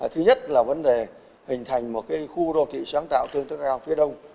thứ nhất là vấn đề hình thành một khu đô thị sáng tạo tương tức cao phía đông